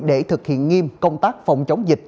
để thực hiện nghiêm công tác phòng chống dịch